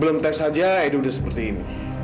belum tes aja itu udah seperti ini